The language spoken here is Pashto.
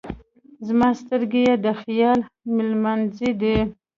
زما سترګې یې د خیال مېلمانځی دی.